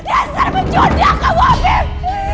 dia serba jodoh kamu afif